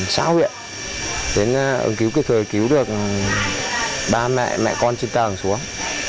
sao huyện đến ứng cứu kịp thời cứu được ba mẹ mẹ con chị ta ở xuống